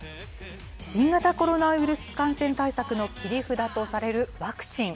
新型コロナウイルス感染対策の切り札とされるワクチン。